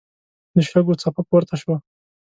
د شګو څپه پورته شوه.